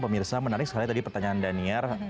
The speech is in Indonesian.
pemirsa menarik sekali tadi pertanyaan daniar